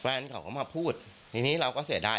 แฟนเขาก็มาพูดทีนี้เราก็เสียดาย